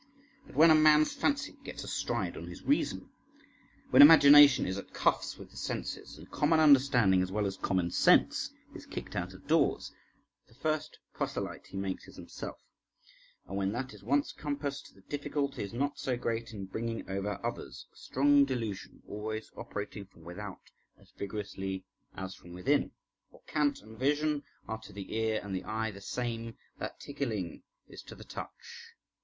But when a man's fancy gets astride on his reason, when imagination is at cuffs with the senses, and common understanding as well as common sense is kicked out of doors, the first proselyte he makes is himself; and when that is once compassed, the difficulty is not so great in bringing over others, a strong delusion always operating from without as vigorously as from within. For cant and vision are to the ear and the eye the same that tickling is to the touch.